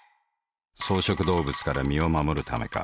草食動物から身を護るためか。